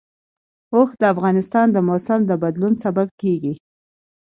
اوښ د افغانستان د موسم د بدلون سبب کېږي.